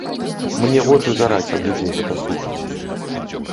Мне вочы гараць ад людзей гэта слухаць.